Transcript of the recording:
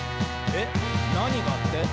「えっなにが？って？」